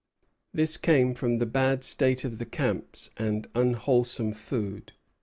This came from the bad state of the camps and unwholesome food.